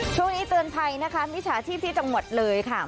โชว์นี้เตือนภัยนะคะวิชาชีพที่จังหวัดเลยค่ะ